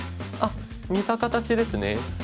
あっ似た形ですね。